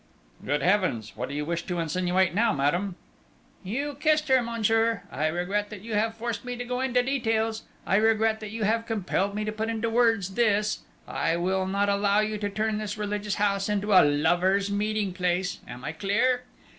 "Good Heavens! What do you wish to insinuate now, madame?" "You kissed her, monsieur. I regret that you have forced me to go into details. I regret that you have compelled me to put into words this I will not allow you to turn this religious house into a lover's meeting place! Am I clear?"